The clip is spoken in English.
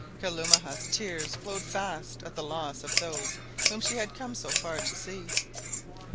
Kalumah's tears flowed fast at the loss of those whom she had come so far to see.